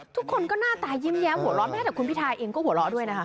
ทุกคนก็หน้าตายิ้มแย้มหัวล้อแม้แต่ว่าคุณพิธาเองก็หัวล้อด้วยนะคะ